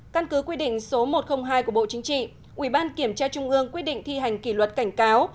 căn cứ quy định số một trăm linh hai của bộ chính trị ủy ban kiểm tra trung ương quy định thi hành kỷ luật cảnh cáo